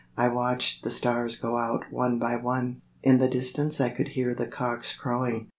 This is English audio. I watched the stars go out one by one. In the distance I could hear the cocks crowing.